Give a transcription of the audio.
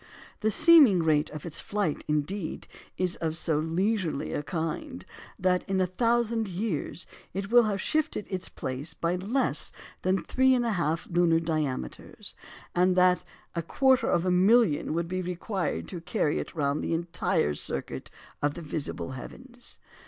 The seeming rate of its flight, indeed, is of so leisurely a kind, that in a thousand years it will have shifted its place by less than 3 1/2 lunar diameters, and that a quarter of a million would be required to carry it round the entire circuit of the visible heavens.